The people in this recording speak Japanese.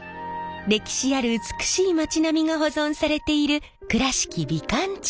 歴史ある美しい町並みが保存されている倉敷美観地区。